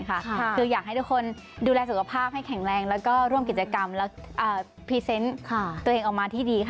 คืออยากให้ทุกคนดูแลสุขภาพให้แข็งแรงแล้วก็ร่วมกิจกรรมและพรีเซนต์ตัวเองออกมาที่ดีค่ะ